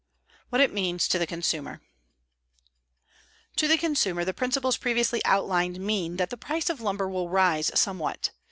WHAT IT MEANS TO THE CONSUMER To the consumer the principles previously outlined mean that the price of lumber will rise somewhat.